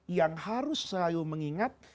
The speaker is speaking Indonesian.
yang harus selalu mengingat